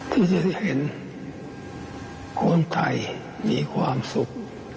ที่จะเห็นคนไทยมีความสุข